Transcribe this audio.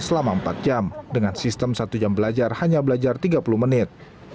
selama empat jam dengan sistem satu jam belajar hanya belajar tiga puluh menit